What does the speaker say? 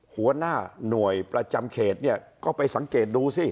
หัวหน้าหน่วยประจำเขตเนี่ยก็ไปสังเกตดูสิ